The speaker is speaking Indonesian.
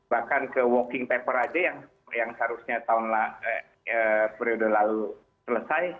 bahkan ke walking paper aja yang seharusnya tahun periode lalu selesai